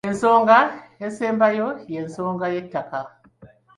Ensonga esembayo y'ensonga y'ettaka.